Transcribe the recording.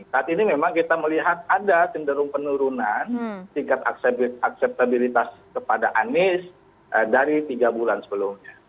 saat ini memang kita melihat ada cenderung penurunan tingkat akseptabilitas kepada anies dari tiga bulan sebelumnya